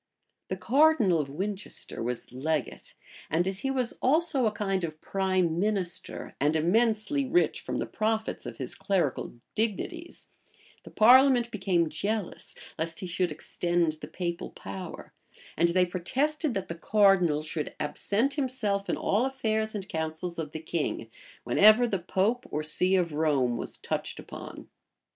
[] The cardinal of Winchester was legate; and as he was also a kind of prime minister, and immensely rich from the profits of his clerical dignities, the parliament became jealous lest he should extend the papal power; and they protested, that the cardinal should absent himself in all affairs and councils of the king, whenever the pope or see of Rome was touched upon.